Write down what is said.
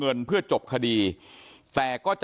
แม้นายเชิงชายผู้ตายบอกกับเราว่าเหตุการณ์ในครั้งนั้น